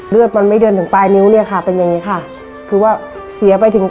เลือดมันไม่เดินถึงปลายนิ้วเนี่ยค่ะเป็นอย่างนี้ค่ะคือว่าเสียไปถึง